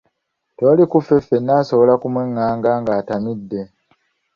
Tewali kuffe ffenna asobola kumwenganga ng'atamidde.